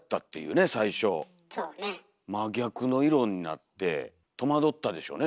真逆の色になって戸惑ったでしょうね